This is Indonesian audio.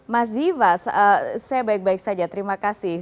mas ziva saya baik baik saja terima kasih